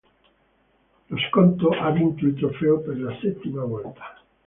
Lo Skonto ha vinto il trofeo per la settima volta.